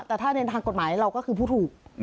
แต่ถ้าในทางกฎหมายเราก็คือผู้ถูก